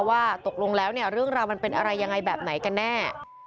ว่าตกลงแล้วเนี่ยเรื่องราวมันเป็นอะไรยังไงแบบไหนกันแน่